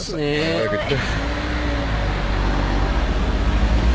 早く行って。